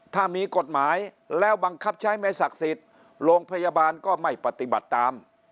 ถ้ามีกฎหมายแล้วบังคับใช้ไม่ศักดิ์สิทธิ์โรงพยาบาลก็ไม่ปฏิบัติตาม